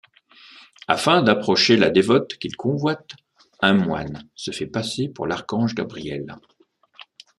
Afin d'approcher la dévôte qu'il convoite, un moine se fait passer pour l'archange Gabriel.